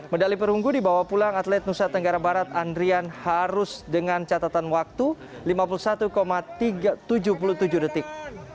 medali perunggu dibawa pulang atlet nusa tenggara barat andrian harus dengan catatan waktu lima puluh satu tiga ratus tujuh puluh tujuh detik